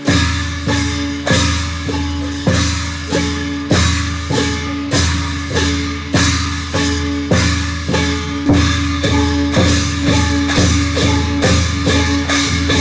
เอาล่ะ